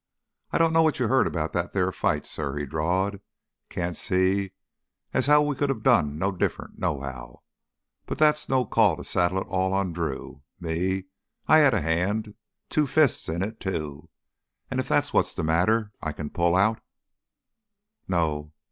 "I don't know what you heard 'bout that there fight, suh," he drawled. "Can't see as how we could have done no different nohow. But that's no call to saddle it all on Drew. Me, I had a hand—two fists—in it, too. An' if that's what's th' matter, I can pull out——" "No!"